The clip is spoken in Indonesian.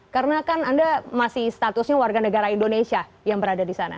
karena kan anda masih statusnya warga negara indonesia yang berada di sana